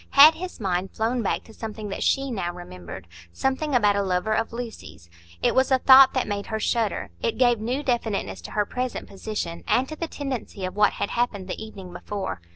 Had his mind flown back to something that she now remembered,—something about a lover of Lucy's? It was a thought that made her shudder; it gave new definiteness to her present position, and to the tendency of what had happened the evening before.